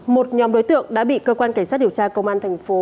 một nhóm đối tượng đã bị cơ quan cảnh sát điều tra công an thành phố